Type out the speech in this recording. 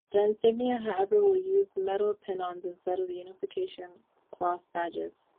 The insignia, however, will use metal pin-ons instead of the unification cloth badges.